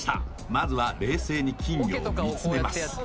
まずは冷静に金魚を見つめます